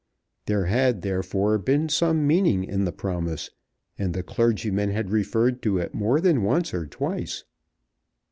There had, therefore, been some meaning in the promise; and the clergyman had referred to it more than once or twice.